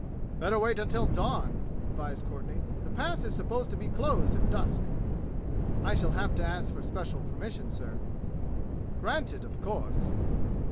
"Better wait until dawn," advised Courtenay. "The Pass is supposed to be closed at dusk." "I shall have to ask for special permission, sir." "Granted, of course."